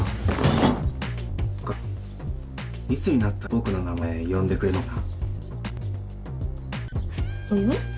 和華いつになったら僕の名前呼んでくれるのかな？